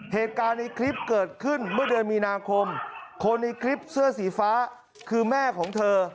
เหตุการณ์ในคลิปเกิดขึ้นเมื่อเดือนมีนาคมคนในคลิปเสื้อสีฟ้าคือแม่ของเธอ